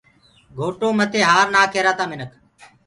گھوٽو مٿي هآر نآک هيرآ تآ منک